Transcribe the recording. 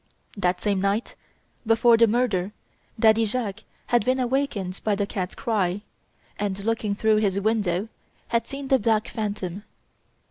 "That same night, before the murder, Daddy Jacques had been awakened by the cat's cry, and, looking through his window, had seen the black phantom.